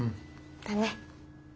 だね。